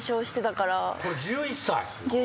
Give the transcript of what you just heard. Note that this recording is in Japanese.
これ１１歳。